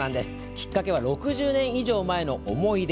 きっかけは６０年以上前の思い出。